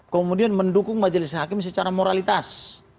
kemudian mendukung majelis hakim secara moralitas